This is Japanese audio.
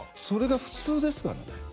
それが普通ですからね。